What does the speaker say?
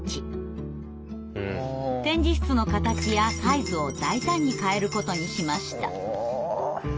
展示室の形やサイズを大胆に変えることにしました。